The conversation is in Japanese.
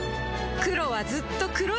黒はずっと黒いまま